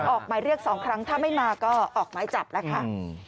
ออกหมายเรียก๒ครั้งถ้าไม่มาก็ออกหมายจับแล้วค่ะ